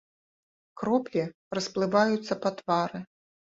Кроплі расплываюцца па твары.